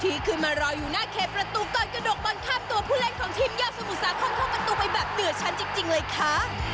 ที่ขึ้นมารออยู่หน้าเคประตูก่อนกระดกบอลข้ามตัวผู้เล่นของทีมยอดสมุทรสาครเข้าประตูไปแบบเดือดชั้นจริงเลยค่ะ